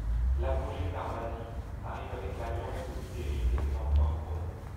L'apogée d'Armazi arrive avec l'alliance de l'Ibérie et des empereurs romains.